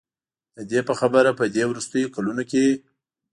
د دې په خبره په دې وروستیو کلونو کې